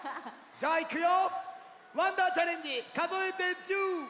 じゃあいくよ。